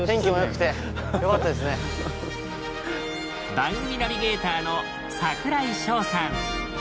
番組ナビゲーターの櫻井翔さん。